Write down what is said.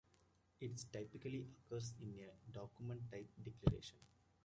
It typically occurs in a Document Type Declaration.